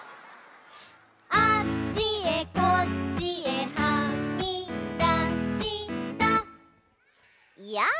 「あっちへこっちへはみだしたやあ」